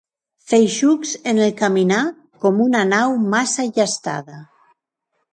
Feixucs en el caminar, com una nau massa llastada.